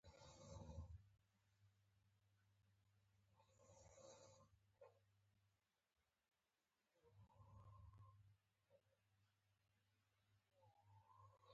د بوټو او ونو کښېنول د مني یا خزان موسم کې کټور دي.